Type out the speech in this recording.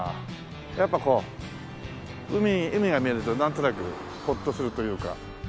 やっぱこう海が見えるとなんとなくほっとするというか。